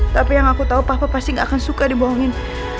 tapi yang aku tahu papa pasti gak akan suka dibohongin